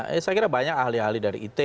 saya kira banyak ahli ahli dari itu